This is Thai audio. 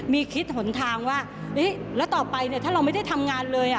มีคิดหนทางว่าแล้วต่อไปเนี่ยถ้าเราไม่ได้ทำงานเลย